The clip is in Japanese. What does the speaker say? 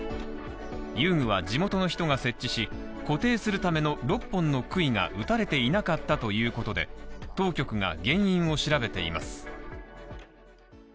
遊具は地元の人が設置し、固定するための６本の杭が打たれていなかったということで、当局が原因を調べています。